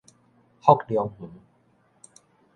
福龍園